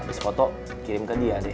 habis foto kirim ke dia deh